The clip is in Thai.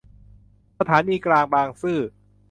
สถานีกลางบางซื่อ